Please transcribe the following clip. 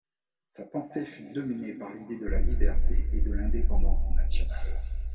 Sa pensée fut dominée par l'idée de la liberté et de l'indépendance nationale.